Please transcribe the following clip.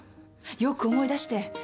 よく思い出して。